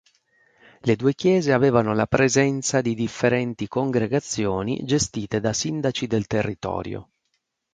Le due chiese avevano la presenza di differenti congregazioni gestite da sindaci del territorio.